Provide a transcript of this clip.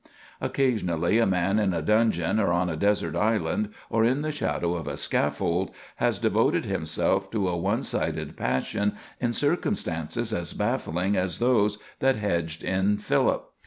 Occasionally a man in a dungeon or on a desert island, or in the shadow of a scaffold, has devoted himself to a one sided passion in circumstances as baffling as those that hedged in Philip.